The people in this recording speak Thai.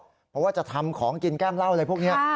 เพราะว่าจะทำของกินแก้มเหล้าอะไรพวกนี้